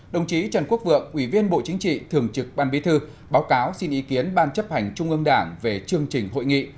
đồng chí trần quốc vượng ủy viên bộ chính trị thường trực ban bí thư báo cáo xin ý kiến ban chấp hành trung ương đảng về chương trình hội nghị